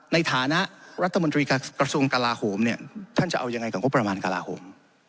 ในฐานะรัฐมนตรีกระทรวงกลาโหมเนี่ยท่านจะเอายังไงกับงบประมาณกระลาโหม